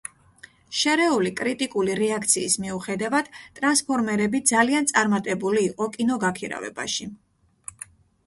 შერეული კრიტიკული რეაქციის მიუხედავად, „ტრანსფორმერები“ ძალიან წარმატებული იყო კინოგაქირავებაში.